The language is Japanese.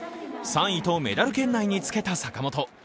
３位とメダル圏内につけた坂本。